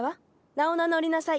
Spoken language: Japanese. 名を名乗りなさい！